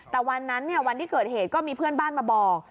แต่วันนั้นวันที่เกิดเหตุก็มีเพื่อนบ้านมาบอก